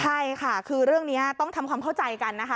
ใช่ค่ะคือเรื่องนี้ต้องทำความเข้าใจกันนะคะ